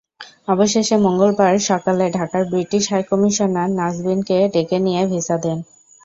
অবশেষে মঙ্গলবার সকালে ঢাকার ব্রিটিশ হাইকমিশনার নাজবিনকে ডেকে নিয়ে ভিসা দেন।